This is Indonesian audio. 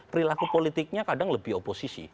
perilaku politiknya kadang lebih oposisi